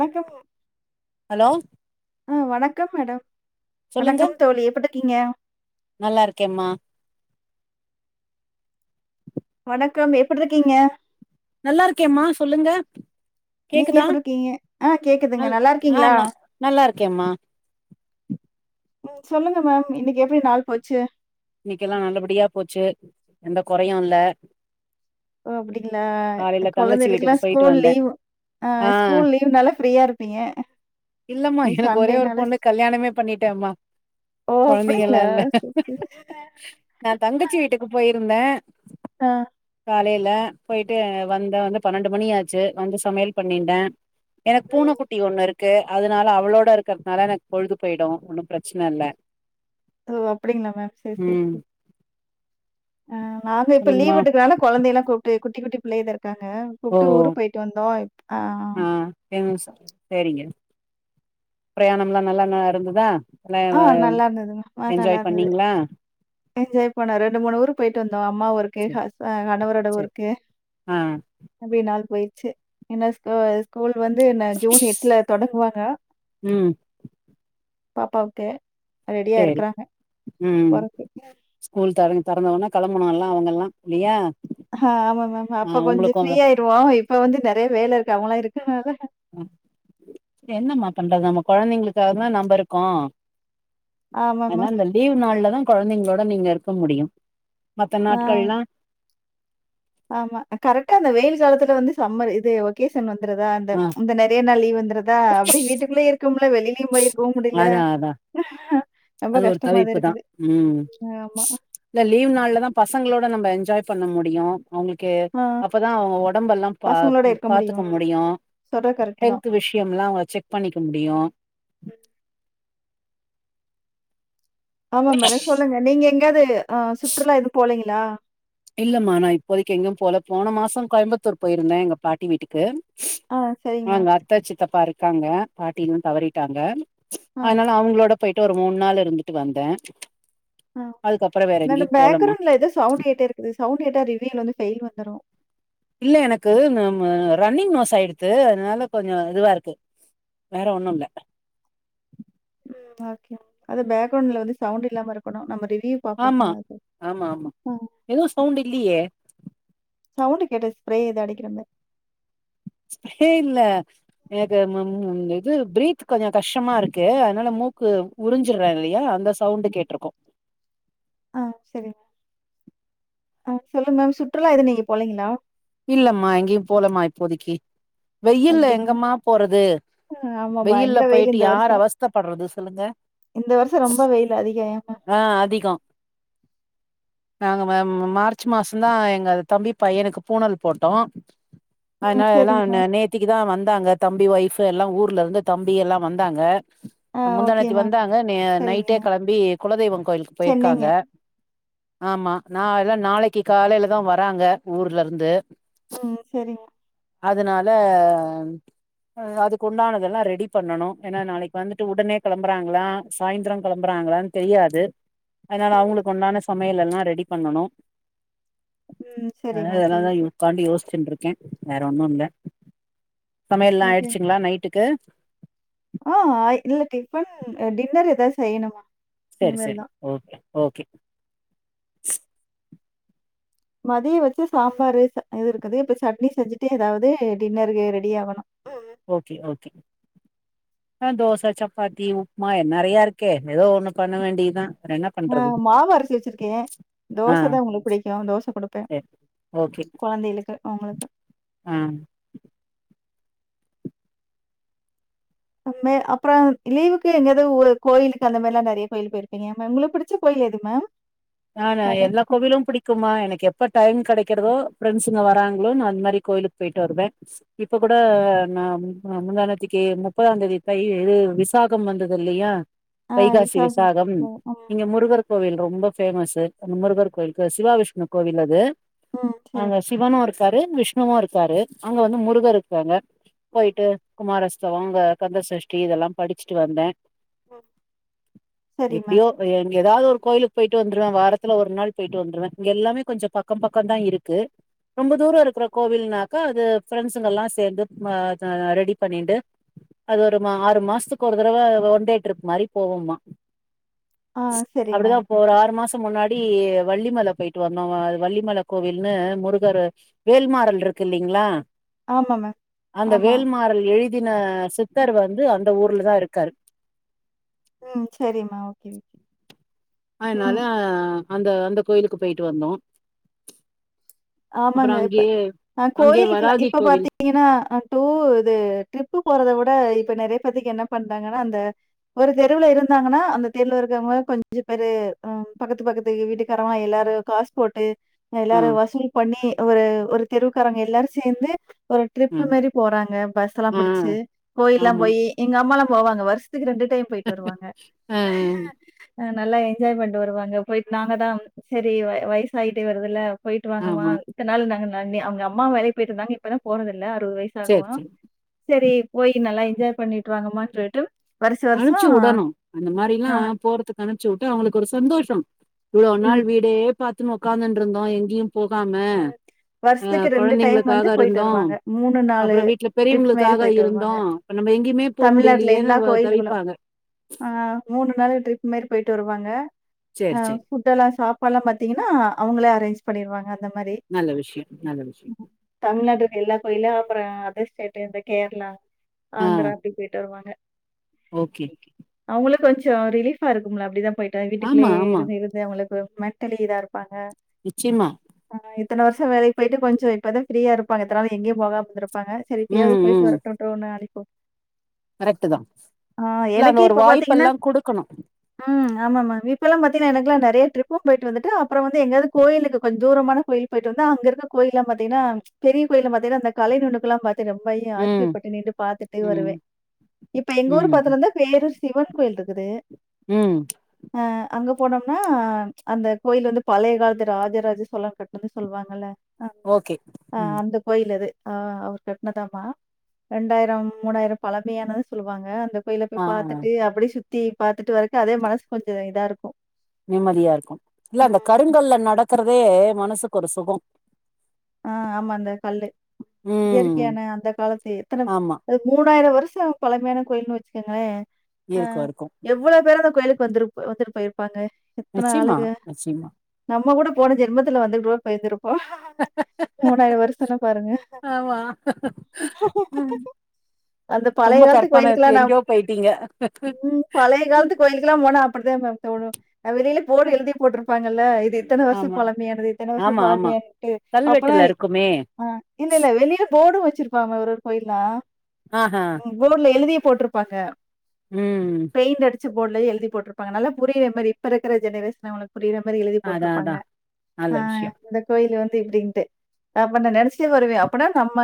வணக்கம் ஹலோ ஆஹ வணக்கம் மேடம் சொல்லுங்க வணக்கம் தோழி எப்புடு இக்கீங்க நல்லா இருக்கேம்மா வணக்கம் எப்டிருக்கீங்க நல்லா இருக்கேம்மா சொல்லுங்க நீங்க கேக்குதா எப்டிருக்கீங்க? ஆ கேக்குதுங்க நல் ஆஹ் நல்லாருக்கீங்களா? ந நல்லா இருக்கேன்ம்மா உம் சொல்லுங்க மேம் இன்னைக்கு எப்படி நாள் போச்சு இன்னைக்கு எல்லாம் நல்லபடியா போச்சு எந்த குறையும் இல்ல ஓ அப்புடிங்களா காலைல தங்கச்சி கொழந்தைளுக்கு எல்லாம் வீட்டுக்கு போயிட்டு ஸ்கூல் வந்தே லீவு ஆ ஆஹ் ஸ்கூல் லீவ்னால ஃப்ரீயா இருப்பீங்க இல்லம்மா இன்னைக்கு எனக்கு ஒரே ஒரு சண்டேனால பொண்ணு ஸ் கல்யாணமே பண்ணிட்டேமா ஓ கொழந்தைங்க அப்டிங்களா எல்லாம் இல்ல சரி சரி நான் தங்கச்சி வீட்டுக்கு போயிருந்தேன் ஆஹ் காலையில போயிட்டு வந்த வந்து பன்னெண்டு மணியாச்சு வந்து சமையல் பண்ணிட்டேன் எனக்கு பூனைக்குட்டி ஒண்ணு இருக் கு அதனால அவளோட இருக்கிறதுனால எனக்கு பொழுது போயிடும் ஒன்னும் பிரச்சன இல்ல ஓ அப்படிங்களங்களா மேம் செரி செரி ம் செரி ஆஹ் நாங்க இப்ப சொல்லுங்கமா லீவ் எட்டுக்கனால கொழந்தை எல்லாம் கூப்பிட்டு குட்டி குட்டி பிள்ளைதா இருக்காங்க கூப்ட்டு ஊருக்கு போயிட்டு வந்தோம் ஆஹ் என்ன சொல் சேரிங்க பிரயாணம் எல்லாம் நல்லா நா இருந்ததா ஆ அதல்லா நல்லா இருந்ததுங்க. ஆ நல்லா என்ஜாய் இருந்தது. பண்ணீங்களா என்ஜாய் பண்ணோம் ரெண்டு மூணு ஊரு போயிட்டு வந்தோம் அம்மா ஊருக்கு செரி ஹஸ்ப கணவரோட செரி ஊருக்கு ஆ அப்டியே நாள் போயிருச்சு என்ன ஒ ஸ்கூல் வந்து என்ன ஜூன் எட்டுல தொடங்குவாங்க ம் பாப்பாவுக்கு ரெடியா சேரி இருக்கறாங்க ம் போறக்கு ஸ்கூல் தொறந் தொறந்வுடனே கிளம்பனு எல்லாம் அவங்க எல்லாம் இல்லையா ஆஹ் ஆமா மேம் ஆ அப்ப கொஞ்சம் உங்களுக்கு வ ஃப்ரீயாயிருவோம் இப்ப வந்து நெறைய வேலை இருக்கு அவங்கெல்லாம் இருக்கனால என்னமா பண்றது நம்ம கொழந்தைங்களுக்காக தான் நம்ம இருக்கோம் ஆமா ஆனா மேம். அந்த லீவ் நாள்லதான் கொழந்தைங்களோட நீங்க இருக்க முடியும் மத்த ஆ நாட்கள்னா ஆமா கரெக்டா அந்த வெயில் காலத்துல வந்து சம்மர் இது ஒகேஷன் வந்து தா அந்த ஆ இந்த நெறைய நாள் லீ வந்துருதா அப்படி வீட்டுக்குள்ளே இருக்கமுடில வெளிலிய போயிரு போ முடியல அதா அதா ரொம்ப அது ஒரு கஷ்டமா தான் தவிர்ப்புதான் இருக்குது. உம் ஆமா. இந்த லீவ் நாள்லதான் பசங்களோட நம்ம என்ஜாய் பண்ண முடியும் அவங்களுக்கை ஆ. அப்பதான் அவங்க உடம்ப எல்லாம் பா பசங்களோட இருக்க பாத்துக்க முடியும் சொல்றது கரெக்ட் தான். ஹெல்த் விஷயம்ல்லாம் அவ செக் பண்ணிக்க முடியும் ஆமா மேடம் சொல்லுங்க நீங்க எங்காவது அஹ் சுற்றுலா இது போலீங்களா இல்லம்மா நா இப்போதைக்கு எங்கு போல போன மாசோ கோயம்புத்தூர் போயிருந்தேன் எங்க பாட்டி வீட்டுக்கு ஆ சரிங்க மேம். ஆங்க அத்தச்சித்தப்பா இருக்காங்க பாட்டிலா தவறிட்டாங்க ஆ, அதனால அவங்களோட போயிட்டு ஒரு மூணு நாள் இருந்துட்டு வந்தேன் ஆஹ் ந பேக்ரெவுண்ட்ல ஏதோ சவுண்ட் கேட்டே இருக்குது சவுண்ட் ஏட்டா ரிவியூல வந்து ஃபெயில் வந்துரும் இல்ல எனக்கு ரன்னிங் நோஸ் ஆயிடுத்து அதனால கொஞ்சம் இதுவா இருக்கு வேற ஒண்ணு இல்ல ஓகே பேக்ரெவுண்ட்ல வந்து சவுண்ட் இல்லாம இருக்கணும் நம்ம ரிவியூ ஆமா ஆமா ஆமா எதுவு சவுண்ட்டு இல்லியே சவுண்டு கேட்டது ஸ்ப்ரே எது அடிக்கிறமாரி ஸ்ப்ரே இல்ல எனக்கு [unintelligible] இது ப்ரீத் கொஞ்சோ கஷ்டமா இருக்கு அதுனால மூக்கு உறுஞ்சுறே இல்லயா அந்த சவுண்டு கேட்ருக்கு ஆ சரி ஆ சொல்லுங்க மேம் சுற்றுலா எது நீங்க போலைங்களா இல்லம்மா எங்கயு போலமா இப்போதிக்கி வெயில்ல அப்டிங்களா? எங்கம்மா போறது ஆமா வெயில்ல பயங்கர வெயில் போய்ட்டு இந்த யார் வருஷம். அவஸ்தப்பட்றது சொல்லுங்க இந்த வருஷோ ரொம்ப வெயில் அதிகோ ஏ மேம் ஆ அதிகோ நாங்க ம மார்ச் மாசோதா எங்க தம்பி பையனுக்கு பூனல் போட்டோ ம் அதுனால எல்லா சரிங்க நே மேம். நேத்திக்கிதா வந்தாங்க தம்பி ஒய்ஃப்பு எல்லா ஊர்ல இருந்து தம்பி எல்லா வந்தாங்க ஆ ஓகே முந்தாநேத்தி மேம். வந்தாங்க ந சரிங்க. நைட்டே கெளம்பி குலதெய்வோ கோயிலுக்கு சென்னைங்க. போய்ருக்காங்க ஆமா நா இல்ல நாளக்கி காலேலதா வராங்க ஊர்ல இருந்து ம் சரிங்க அதுனால அ அதுக்கு உண்டானதல்லா ரெடி பண்ணனு ஏன்னா நாளக்கி வந்துட்டு உடனே கெளம்புறாங்களா சாய்ந்தரோ கெளம்புறாங் ங்களானு தெரியாது ம். அதுனால அவுங்களுக்கு உண்டான சமயல் எல்லா ரெடி பண்ணனு ம் சரிங் மேம் அ அதா யுக்காண்டு யோஸ்சின்ட்டு இருக்கே வேற ஒன்னு இல்ல சமையல்லா ஓகே. ஆய்டுச்சுங்ளா நைட்டுக்கு ஆ ஆய் இல்ல டிஃபன் டின்னர் ஏதாது செய்யணுமா சரி இனிமேல் சரி தான். ஓகே ஓகே மதியோ வச்ச சாம்பாரு ச இது இருக்குது இப்ப சட்னி செஞ்சுட்டு ஏதாவது டின்னருக்கு ரெடி ஆகணு ஓகே ஓகே அ தோச சப்பாத்தி உப்மா என் நெறையா இருக்கே ஏதோ ஒண்ணு பண்ண வேண்டிதா ஆ மாவு அரச்சு வச்சுருக்கே ஆ தோசதா இவுங்களுக் புடிக்கு தோச குடுப்பே சரி ஓகே கொழந்தைகளுக்கு அவுங்களுக்கு உ [unintelligible] ம் மே அப்பறோ லீவுக்கு எங்கயாது ஊ கோயிலுக்கு அந்த மாரில்லா நெறைய கோயில் போயிருப்பீங்க ஏ மேம் ஒங்களுக்கு புடிச்ச கோயி எது மேம் யாரு கடை. எல்லா கோவிலு புடிக்குமா எனக்கு எப் எப்ப டைம் கெடைக்கறதோ ஃப்ரண்ட்ஸ்ஸுக வராங்ளோ நா அந்த மாரி கோயிலுக்கு போய்ட்டு வருவே இப்ப கூட அம் அம் முந்தாநேத்திக்கி முப்பதாந் தேதி தை இது விசாகம் வந்தது இல்லயா ஆ வைகாசி விசாகம் ம், ம், இங்க முருகர் கோவில் ரொம்ப பேமஸ்சு அந்த முருகர் கோயிலுக்கு சிவா விஷ்ணு கோவில் அது ம். சரி. அங்க சிவனு இரு இருக்காரு விஷ்ணுவு இருக்காரு அங்க வந்து முருகர் இருக்காங்க ம், போய்ட்டு குமார சவங்க கந்தசஷ்டி இதல்லா படிச்சுட்டு வந்தே ம். சரி மேம். எப்டியோ எங்க எதாது ஒரு கோயிலுக் போய்ட்டு வந்துருவே வாரத்துல ஒரு நாள் போய்ட்டு வந்துருவே இங்க எல்லாமே கொஞ்சோ பக்கம் பக்கம் தா இருக்கு ரொம்ப தூரோ இருக்குற கோவில்னாக்கா அது ஃப்ரெண்ட்ஸுங்கல்லா சேந்து ம த ரெடி பண்ணின்டு அது ஒரு மா ஆறு மாசத்துக்கு ஒரு தடவ ஒன் டே ட்ரிப் மாரி போவோமா ஆ செரி அப்டிதா மேம் இப்போ ஒரு ஆறு மாசம் மு முன்னாடி வள்ளிமல போய்ட்டு வந்தோ வ அது வள்ளிமல கோவில்னு முருகரு வேல்மாறல்ருக்கு ஆமா மேம். [unintelligible] அந்த ஆமா. வேல்மாறல் எழு தின சித்தர் வந்து அந்த ஊர்லதா இருக்காரு ம் சரிம்மா ஓகே ஓகே அதுனால ம். அந்த அந்த கோயிலுக்கு போய்ட்டு வந்தோ அப்புறோ ஆமாங்க இப்ப அங்கேயே அ அங்கேயே கோயிலுக்குல்லா வராகி இப்ப கோவில் பாத்தீங்கன்னா டூ இது ட்ரிப்பு போறத வி இப்ப இப்ப நெறைய பேத்துக்கு என்ன பண்றாங்கனா அந்த ஒரு தெருவுல இருந்தாங்கனா அந்த தெருவுல இருக்குறவங்க கொஞ்ச பெரு ம் பக்கத்து பக்கத்து வீட்டுக்காரவங்க எல்லாரு காஸ் போட்டு ஆ எல்லாரு வசூல் பண்ணி ஒரு ஒரு தெருவுகாரங்க எல்லாரு சேந்து ஒரு ஆ ட்ரிப்பு மாரி போறாங்க பஸ்லா ஆ புடிச்சி கோயில்லா ஆமா போயி எங்க அம்மாலா போவாங்க வருச துக்கு ரெண்டு டைம் பொய்ட்டு வருவாங்க ஆ நல்லா என்ஜாய் பண்ட்டு வருவாங்க பொயிட்டு நாங்க தா செரி வய வயசாயிட்டே வருதுல்ல பொயிட் ஆமா இத்தநாள் நாங்க நா நி அவங்க அம்மா வேலைக்கு பொய்ட்ருந்தாங்க இப்பதா போறதே இல்ல அறுவது வயசு சேரி ஆகவு சேரி செரி போய் நல்லா என்ஜாய் பண்ணிட்டு வாங்கமானு சொல்ட்டு அனுப்ச்சிவுடனு அந்த மாரிலா போறத்துக்கு அனுப்ச்சுட்டா அவுங்ளுக்கு ஒரு சந்தோஷோ இவ்ளோ நாள் ம். வீடே பாத்துன்னு ஒக்காந்ட்ருந்தோ எங்யு போகாம ஆ வருஷத்துக்கு டைம் வந்து கொழந்தைங்களுக்காக போயிட்டு இருந்தோ வருவாங்க. அப்றோ வீட்ல ட்ரிப் பெரியவங்களுக்கா க மாரி போயிட்டு இருந்தோ வருவாங்க. இப்ப நம்ப எங்கிமே போ முடியலையேன்னு தவிப்பா ஆ மூனு நாளு ட்ரிப் மாரி பொய்ட்டு வருவாங்க சேரி ஆ சேரி ஃபுட் எல்லா சாப்பாட்லா பாத்தீங்கன்னா அவங்களே அரேஞ்ச் பண்ணிர்வாங்க அந்த மாரி நல்ல விஷயம் நல்ல விஷயம் தமிழ்நாடு எல்லா கோயிலு அப்றோ அதர் ஸ்டேட்டு இந்த கேர்ளா ஆ ஆந்ரா அப்டி பொய்ட்டு வருவாங்க ஓகே அவுங்ளு கொஞ்சோ ரிலீஃபா இருக்கும்லா அப்டிதா பொயிட்டா ஆமா வீட்டுக்குள்ளயே ஆமா இருந்து இருந்து அவுங்ளுக்கு மெட்டலி இதா இருப்பாங்க நிச்சயமா ஆ இத்தன வருஷோ வேலைக்கு பொய்ட்டு கொஞ்சோ இப்பதா ஃப்ரியா இருப்பாங்க இத்தன நாள் எங்கேயு போகாம இருந்துரு இருப்பாங்க சரி இப்பயாது பொய்ட்டு வரட்டுன்டு ஒன்னு அனிப்பு கரெக்ட்டு தா ஆ எனக்கே இப்ப பாத்தீங்கன்னா ம் ஆமாமா இப்பலா பாத்தீங்கன்னா எனக்கெல்லா நெறைய ட்ரிப் பொயிட்டு வந்துட்டே அப்றோ வந்து எங்கயாது கோயிலுக்கு கொஞ் தூரமான கோயில் பொய்ட்டு வந்தோ அங்க இருக்க கோயில்லா பாத்தீங்ன்னா பெரிய கோயில பாத்தீங்னா அந்த கலை நுனுக்குலா பாத் ரொம்பையு ம் ஆச்சரியப்பட்டு நின்னு பாத்துட்டே ம் வருவே இப்ப எங்க ஊரு ம் பக்துல இந்துதா பேரூர் சிவன் கோயிலிருக்குது ம் ஆ அங்க போனோம்னா அந்த கோயில் வந்து பழைய காலத்து ராஜராஜ சோழன் கட்நதுனு சொல்லுவாங்கல ஆ ஓகே ஆ ம் அந்த கோயிலது ஆ அவுர் கட்னதாமா ரெண்டாயிரம் மூனாயிரம் பழமையானது சொல்லுவாங்க அந்த கோயில ஆ போய் ஆ பாத்துட்டு அப்டியே சுத்தி பாத்தட்டு வரக்கே அதே மனசு கொஞ்சோ இதா இருக்கு நிம்மதியா இருக்கு இல்ல அந்த கருங்கல்ல நடக்றது மனசுக்கு ஒரு சுகம் ஆஹ் ஆமா அந்தக் கல்லு ம் இயற்கையான அந்த காலத்து எத்தன ஆமா மூனாயிர வருஷ [unintelligible] பழமையான கோயிலுனு வச்சுகங்க ஆ இருக்கும் இருக்கும் எவ்ளோ பேரு அந்த கோயிலுக்கு வந்துரு வந்துட்டு பொயிருப்பாங்க எத்தன நிச்சயமா ஆளுக நிச்சயமா நம்ப கூட போன ஜென்மத்துல வந்துகூட பொய்ந்திருப்போ மூனாயிரோ வருசனா பாருங்க ஆமா ம் அந்த பழைய ரொம்ப காலத்து கற்பனை கோயிலுக்குலா இருக்கு நா எங்கேயோ போயிட்டீங்க ம் பழைய காலத்து கோயிலுக்குலா போனா அப்டிதா மேம் தோனு வெளியில போனு எழுதி போட்ருப்பாங்கல எத்தன வருஷோ ஆமா பழமையானது இத்தன வருஷோ பழமையானட்டு வீட்டுல இருக்குமே போர்டு வச்சிருப்பாங்க ஒரு ஒரு கோயில்ல ஆஹா போர்ட்ல எழுதிய போட்ருப்பாங்க ம் பெயிண்ட் அடிச்சி போர்ட்லயே எழுதி போட்ருப்பாங்க நல்லா புரியிற மாரி இப்ப இருக்குற ஜெனரேஷன் அவுங்ளுக் புரிற மாரி எழுதி அதா போட்ருப்பாங்க அதா நல்ல ஆ விஷயோ இந்த கோயில் வந்து இப்டின் டு அப்ப நா நெனச்சிடே வருவே அப்பனா நம்ப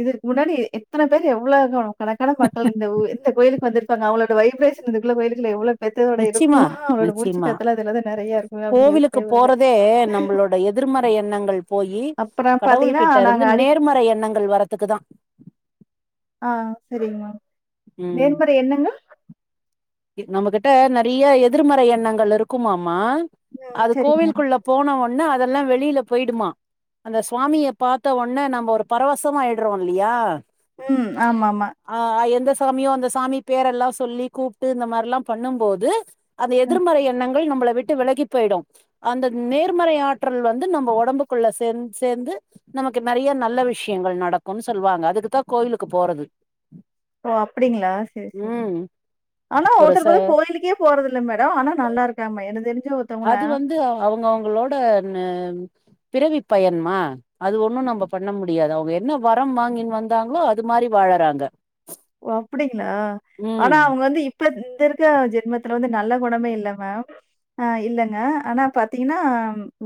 இதுக்கு முன்னாடி எத்தன பேர் எவ்ளோ [unintelligible] கணக்கான மக்கள் இந்த உ இந்த கோயிலுக்கு வந்துருப்பாங்க அவங்களோட வைப்ரேஷன் இதுக்குள்ள கோயிகுள்ள எவ்ளோ பேத்தோட இருக்கு நிச்சயமா அவங்களோட மூச்சி நிச்சயமா காத்தெல்லா அதுலதா நெறையா இருக்கு அப்டினு யோஷ்சிடே வருவே திருமறை எண்ணங்கள் போயி பார்த்தீங்கன்னா, கடவுள்கிட்ட நாங்க இருந்து அடிக் நேர்மறை எண்ணங்கள் வரதுக்குதா ஆ சரிங்க மேம் ம் நேர்மறை என்னங்க நம்மகிட்ட நறைய எதிர்மறை எண்ணங்கள் இருக்குமாம் மா ம். அது சரிங்க. கோவில்குள்ள போன ஒன்னே அதெல்லா வெளியில போயிடுமா அந்த சுவாமிய பாத்த ஒட்னே நம்ப ஒரு பரவசமா ஆயிட்றோ இல்லையா ம் ஆமாமா ஆ எந்த சாமியோ அந்த சாமி பேரெல்லா சொல்லி கூப்பிட்டு இந்த மாரில்லா பண்ணும் போது அந்த அ எதிர்மறை எண்ணங் கள் நம்மள விட்டு விலகி போயிடு அந்த நேர்மறை ஆற்றல் வந்து நம்ம ஒடம்புக்குள்ள சேந் சேந்து நமக்கு நெறைய நல்ல விஷயங்கள் நடக்கும்னு சொல்லுவாங்க அதுக்குத்தா கோயிலுக்கு போறது ஓ அப்டிங்களா சேரி சேரி ம் ஆனா ஒரு ச ஒருத்தர் பாத்தா கோயிலுக்கே போறது இல்ல மேடோ ஆனா நல்லா இருக்காங்மா என்னுது அது வந்து அவுங்கவுங்களோட ந ம் பிறவி பயன்மா அது ஒன்னு நம்போ பண்ண முடியாது அவுங்க என்ன வரம் வாங்கின்னு வந்தாங்களோ அது மா மாரி வாழறாங்க ஓ அப்டிங்களா ம் ஆனா அவுங்க வந்து இப் இப்ப இந்த இருக்க ஜென்மத்துல வந்து நல்ல குணமே இல்ல மேம் ஆ இல்லங்க ஆனா பாத்தீங்கன்னா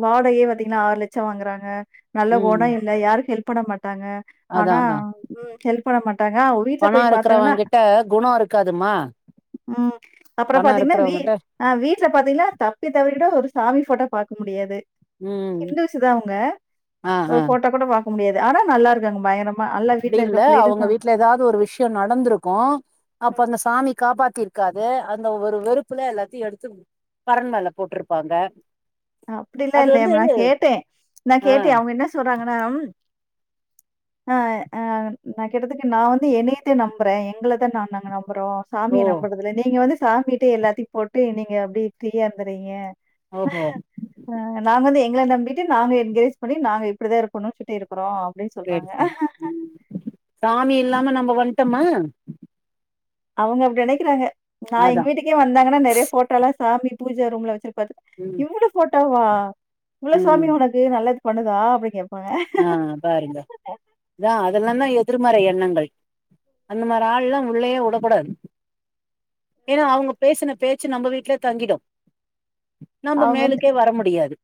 வாடகையே பாத்தீங்கன்னா ஆறு லட்சோ வாங்குறாங்க நல்ல ம் குணோ இல்ல யாருக்கு ஹெல்ப் பண்ண மாட்டாங்க அதா ஆனா அதா ம் ஹெல்ப் பண்ண மாட்டாங்க அவுங் வீட் பணோ இருக்குறவே கிட்ட குணோ இருக்காதுமா ம் அப்புறோ பணோ பாத்தீங்கன்னா வீ இருக்கிறவங்கிட்ட ஆ வீட்ல பாத்தீங்கன்னா தப்பி தவறி கூட ஒரு சாமி ஃபோட்டோ பாக்க முடியாது ம் இந்துஸ் தா அவுங்க ஆ ஒரு ஆ ஃபோட்டோ கூட பாக் க முடியாது ஆனா நல்லா இருக்காங்க பயங்கர அப்டி இல்ல அவுங்க வீட்டுல ஏதாவது ஒரு விஷயோ நடந்துருக்கோ அப்போ ம். அந்த சாமி காப்பாத் பாத்தி இருக்காது அந்த ஒரு வெறுப்புல எல்லாத்தையு எடுத்து பரன் மேல போட்டிருப்பாங்க அப்டில்லா இல்லையேமா நா கேட்டே நா ஆ கேட்டே அவுங்க என்ன சொல்றாங்கன்னா ம் ஆ ஆ நா கேட்டதுக்கு நா வந்து என்னையத்தா நம்புறே எங்களதா நா நாங்க நம்பு நம்பறோ ஓ சாமிய நம்புறதில்ல நீங்க வந்து சாமிட்ட எல்லாத்தையு போட்டு நீங்க அப்டி ஃப்ரீயா இருந்துட்றீங்க ஒ ஹோ ஆ நாங்க வந்து எங்கள நம்பிட்டு நாங்க என்கரேஜ் பண்ணி நாங்க இப்படிதா இருக்கணும்னு சொல்டு இருக்குறோம் சேரி சேரி ம் சாமி இல்லாம நம்போ வன்ட்டோமா அவுங்க அப்டி நெனைக்கிறாங்க நா எங்க அதா வீட்டுக்கே வந்தாங்கன்னா நெறைய ஃபோட்டோல்லா சாமி பூஜா ரூம்லா வெச்சிருக் பாத்து ம் இவ்ளோ ஃபோட்டோவா இவ்ளோ சாமி ம் உனக்கு நல்லது பண்ணுதா அப்டி கேப்பா ஆ பாருங்க அதான் அதெல்லா தா யோ எதிர்மறை எண்ணங்கள் அந்த மாரி ஆள்லா உள்ளயே விடக்க கூடாது ஏன்னா அவுங்க பேசின பேச்சி நம்ம வீட்லே தங்கிடு நம்ப அவங்க வந்து மேலுக்கே வர முடியாது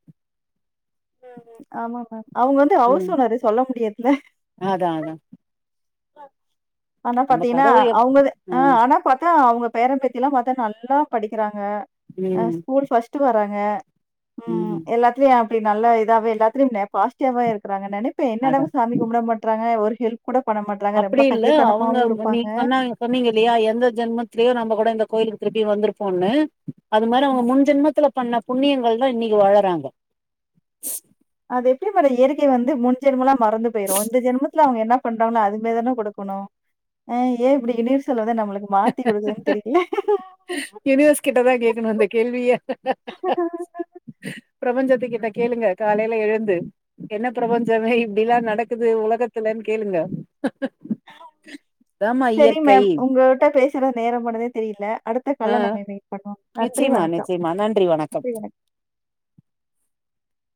ம் ம் ஆமா மேம் அவுங்க வந்து ஹவுஸ் ம் ஓனரு சொல்ல முடியாதில்ல அதா அதா ஆனா நம்ம பாத்தீங்கன்னா கதவு எப் அவுங்கதா ஆ ம் ஆனா பாத்தா அவுங்க பேரே பேத்தி எல்லா பாத்தா நல்லா படிக்கிறாங் க ஆ ம் ஸ்கூல் ஃபர்ஸ்ட் வராங்க ம் எல்லாத்துலாயு அப்பி நல்லா இதாவே எல்லாத்துலையு நே பாசிட்டிவாவே இருக்குறாங்க நெனைப்பே என்னடா அதா இவுங் சாமி கும்பிட மாட்டறாங்க ஒரு ஹெல்ப் கூட பண்ண மாட்றாங்க. அப்டி ரொம்ப இல்ல கஞ்சத்தனமாவும் அவுங்கவுங்க இருப்பாங்க. நீங்க சொன்னாங்க சொன்னீங்க இல்லையா எந்த ஜென்மத்திலேயோ நம்ம கூட இந்த கோயிலுக் திருப்பி வந்திருப்போன்னு அது மாரி அவுங்க ம். முன் ஜென்மத்துல பண்ண புண்ணியங்கள் தா இன்னைக்கி வாழறாங்க அது எப்டி மேடோ இயற்கை வந்து முன் ஜென்மம்லா மறந்து போயிரு இந்த ஜென்மத்துல அவுங்க என்னா பண்றாங்களோ அதுமாரி தானே குடுக்கோ கனு ஆ ஏ இப்படி யூனிவர்சல் வந்து நம்மளுக்கு மாத்தி குடுக்குதுன்னு தெரியலையே யூனிவர்ஸ் கிட்ட தா கேக்கணு இந்த கேள்விய பிரபஞ்சத்துக்கு கிட்ட கேளுங்க காலையில எழுந்து என்ன பிரபஞ்சமே இப்டிலா நடக்குது உலகத்துல கேளுங்க அதுதாமா இயற்கை உங்கிட்ட பேசுற நேரம் போனதே தெரியில அடுத்த ஆ கால்ல நம்ம மீட் பண்ணுவோம் நன்றி நிச்சயமா வணக்கம் நிச்சயமா நன்றி வணக்கம் [inaudible]